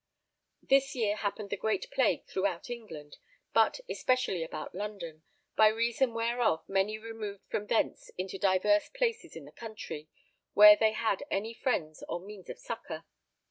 This year happened the great plague throughout England, but especially about London, by reason whereof many removed from thence into divers places in the country where they had any friends or means of succour.